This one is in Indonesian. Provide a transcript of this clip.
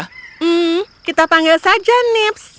hmm kita panggil saja nips